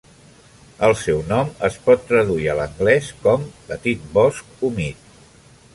El seu nom es pot traduir a l'anglès com "petit bosc humit".